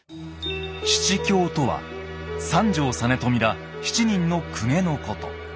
「七」とは三条実美ら７人の公家のこと。